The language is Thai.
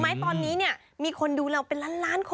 น้ำตาตกโคให้มีโชคเมียรสิเราเคยคบกันเหอะน้ำตาตกโคให้มีโชค